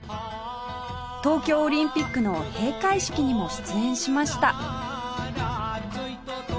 東京オリンピックの閉会式にも出演しました